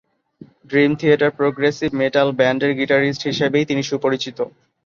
Dream Theater progressive metal ব্যান্ডের guitarist হিসেবেই তিনি সুপরিচিত।